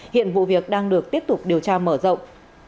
hiện vụ việc đang được tiếp tục điều tra mở rộng